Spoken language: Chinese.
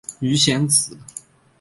鱼显子